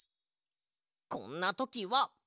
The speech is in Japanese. こんなときは。